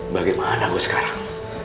bagaimana gua sekarang